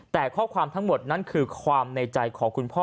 แต่ข้อความทั้งหมดนั้นคือความในใจของคุณพ่อ